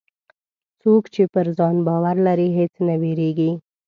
څوک چې پر ځان باور لري، هېڅ نه وېرېږي.